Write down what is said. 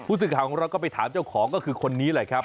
สื่อข่าวของเราก็ไปถามเจ้าของก็คือคนนี้แหละครับ